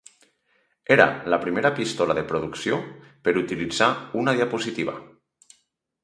Era la primera pistola de producció per utilitzar una diapositiva.